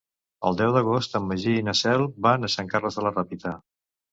El deu d'agost en Magí i na Cel van a Sant Carles de la Ràpita.